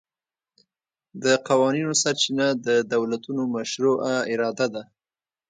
د قوانینو سرچینه د دولتونو مشروعه اراده ده